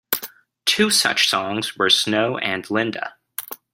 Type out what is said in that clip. Two such songs were "Snow" and "Linda".